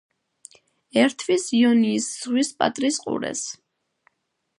ერთვის იონიის ზღვის პატრის ყურეს.